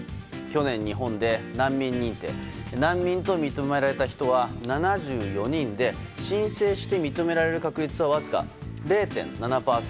去年、日本で難民認定難民と認められた人は７４人で申請して認められる確率はわずか０．７％。